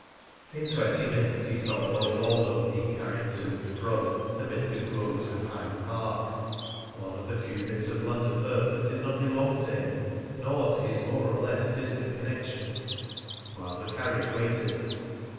In twenty minutes he saw Lord Woldo being carried to and fro amid the groves of Hyde Park (one of the few bits of London earth that did not belong to him nor to his more or less distant connections) while the carriage waited.